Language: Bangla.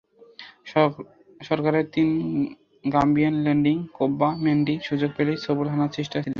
সকারের তিন গাম্বিয়ান ল্যান্ডিং, কোব্বা, ম্যান্ডি সুযোগ পেলেই ছোবল হানার চেষ্টায় ছিলেন।